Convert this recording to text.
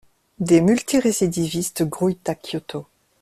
Des multi-récidivistes grouillent à Kyoto.